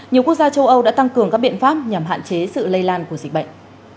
nhiều quốc gia châu âu đã tăng cường các biện pháp nhằm hạn chế sự lây lan của dịch bệnh